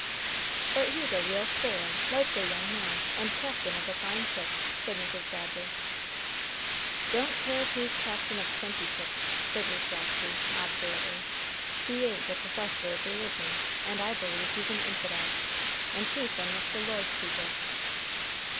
"But he's a real stirrin', likely young man, and captain of a fine ship," said Mrs. Badger. "Don't care if he's captain of twenty ships," said Miss Roxy, obdurately; "he ain't a professor of religion, and I believe he's an infidel, and she's one of the Lord's people."